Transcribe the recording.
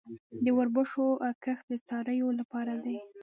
د وربشو کښت د څارویو لپاره دی